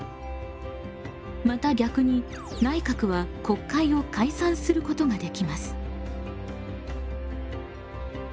また逆に内閣は国会を解散することができます。